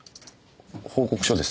報告書です。